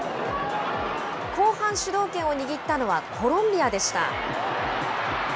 後半、主導権を握ったのはコロンビアでした。